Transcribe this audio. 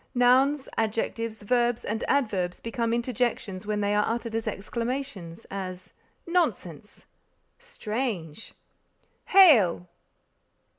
Nouns, adjectives, verbs and adverbs become interjections when they are uttered as exclamations, as, _nonsense! strange! hail!